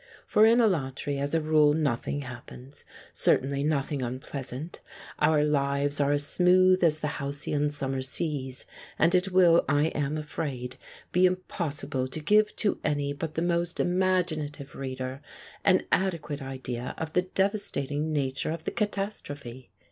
For in Alatri as a rule nothing happens — certainly nothing unpleasant — our lives are as smooth as the halcyon summer seas, and it will, I am afraid, be impossible to give to any but the most imaginative reader an 69 The Dance on the Beefsteak adequate idea of the devastating nature of the catas trophe.